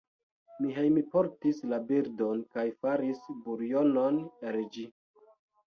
Mi hejmportis la birdon, kaj faris buljonon el ĝi.